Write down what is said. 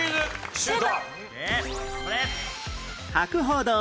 シュート！